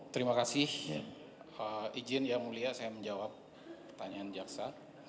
terima kasih izin yang mulia saya menjawab pertanyaan jaksa